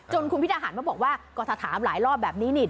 จนคุณพิทาหันมาบอกว่ากวัฒนฐานหลายรอบแบบนี้